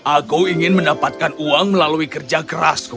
aku ingin mendapatkan uang melalui kerja kerasku